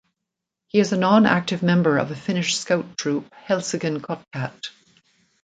He is a non-active member of a Finnish scout troop Helsingin Kotkat.